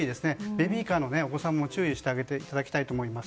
ベビーカーのお子さんも注意していただきたいと思います。